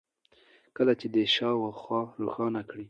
كله چي د ده شا و خوا روښانه كړي